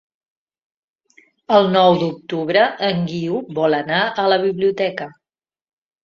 El nou d'octubre en Guiu vol anar a la biblioteca.